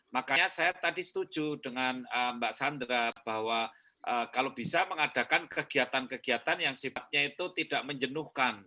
makanya saya tadi setuju dengan mbak sandra bahwa kalau bisa mengadakan kegiatan kegiatan yang sifatnya itu tidak menjenuhkan